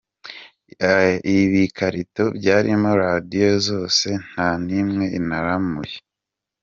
Ibikarito byarimo radiyo zose nta n’imwe naramuye.